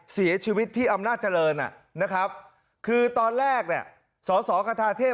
สีชีวิตที่อำนาจเจริญคือตอนแรกสวสหกรทาเทพ